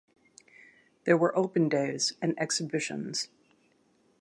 There were open days and exhibitions.